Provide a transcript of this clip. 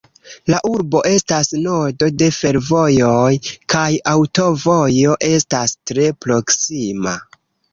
La urbo estas nodo de fervojoj kaj aŭtovojo estas tre proksima.